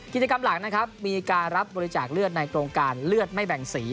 กิจกรรมหลักนะครับมีการรับบริจาคเลือดในโครงการเลือดไม่แบ่งสี